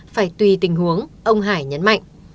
phải tùy tình huống ông hải nhấn mạnh